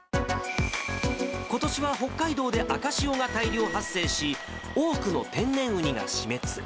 ことしは北海道で赤潮が大量発生し、多くの天然ウニが死滅。